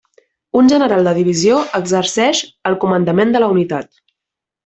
Un general de divisió exerceix el comandament de la unitat.